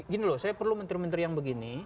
gini loh saya perlu menteri menteri yang begini